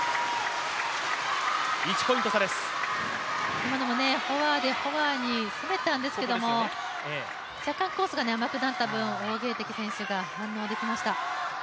今のもフォアでフォアに攻めたんですけど若干コースが甘くなった分王ゲイ迪選手が反応できました。